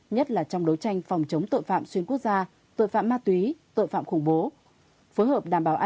nhất là trong đấu tranh phòng chống tội phạm xuyên quốc gia tội phạm ma túy tội phạm khủng bố